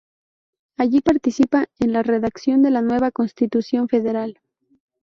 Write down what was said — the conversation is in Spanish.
Allí participa en la redacción de la nueva Constitución federal.